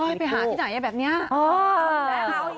ให้ไปหาที่ไหนแบบนี้